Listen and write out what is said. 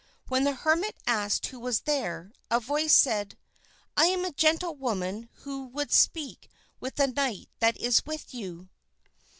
When the hermit asked who was there, a voice said, "I am a gentlewoman who would speak with the knight that is with you."